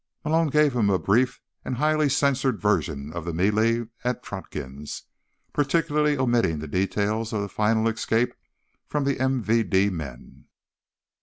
Malone gave him a brief and highly censored version of the melee at Trotkin's, particularly omitting the details of the final escape from the MVD men.